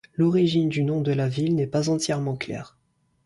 L'origine du nom de la ville n'est pas entièrement claire.